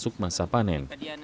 sudah masuk masa panen